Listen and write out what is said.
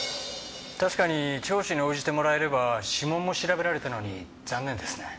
確かに聴取に応じてもらえれば指紋も調べられたのに残念ですね。